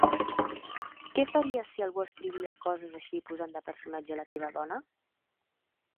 ¿Què faries si algú escrivia coses així posant de personatge la teva dona?